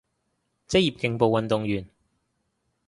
職業競步運動員